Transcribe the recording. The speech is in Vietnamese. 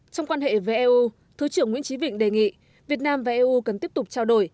trong quan hệ với eu thứ trưởng nguyễn trí vịnh đề nghị việt nam và eu cần tiếp tục trao đổi